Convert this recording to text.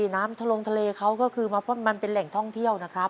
น้ำทะลงทะเลเขาก็คือมาพ่นมันเป็นแหล่งท่องเที่ยวนะครับ